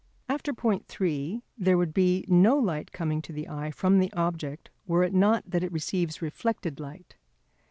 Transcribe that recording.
After point 3 there would be no light coming to the eye from the object, were it not that it receives reflected light.